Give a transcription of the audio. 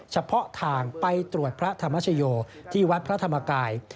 เฉพาะทางไปตรวจพระธรรมชโยที่วัดพระธรรมกาย